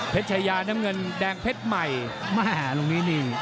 เพชยาน้ำเงินแดงเพชย์ใหม่